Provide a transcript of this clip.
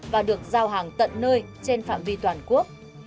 và được giao hàng tận nơi trên phạm vi toàn quốc